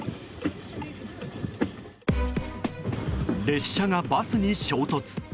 列車がバスに衝突。